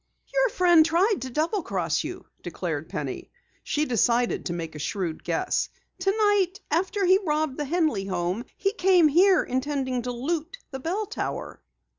"Your friend tried to double cross you," declared Penny. She decided to make a shrewd guess. "Tonight, after he robbed the Henley home he came here intending to loot the bell tower."